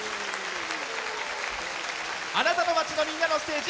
あなたの街の、みんなのステージ